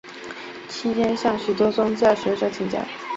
期间向许多宗教学者请教。